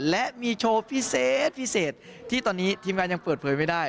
และมีโชว์พิเศษพิเศษที่ตอนนี้ทีมงานยังเปิดเผยไม่ได้